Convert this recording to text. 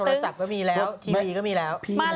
โทรศัพท์ก็มีแล้วทีวีก็มีแล้ว